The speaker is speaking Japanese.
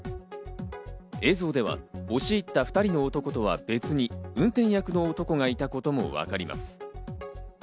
映像では押し入った２人の男とは別に運転役の男がいたこともわかります。